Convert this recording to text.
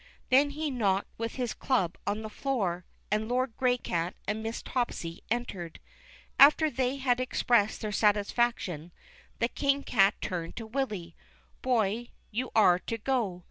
Then he knocked with his club on the floor, and Lord Graycat and Miss Topsy entered. After they had expressed their satisfaction, the King Cat turned to Willy: "Boy, you are to go.